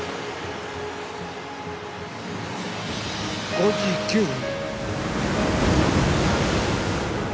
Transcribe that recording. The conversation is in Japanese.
５時９分。